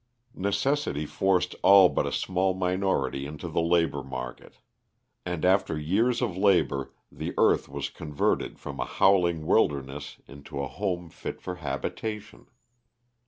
Necessity forced all but a small minority into the labor market. And after years of labor the earth was converted from a howling wilderness into a home fit for habitation.